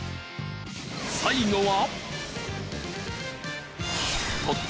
最後は。